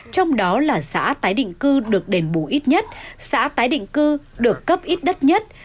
trong đó là xã tái định cư được đền bù ít nhất xã tái định cư được cấp ít đất nhất